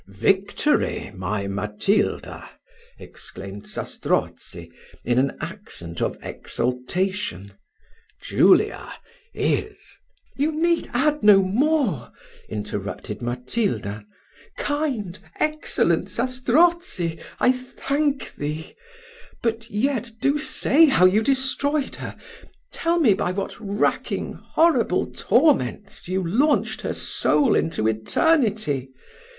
Victory! my Matilda," exclaimed Zastrozzi, in an accent of exultation "Julia is " "You need add no more," interrupted Matilda: "kind, excellent Zastrozzi, I thank thee; but yet do say how you destroyed her tell me by what racking, horrible torments, you launched her soul into eternity.